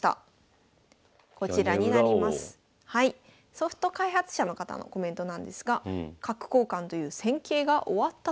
ソフト開発者の方のコメントなんですが「角交換と言う戦型が終わった」と。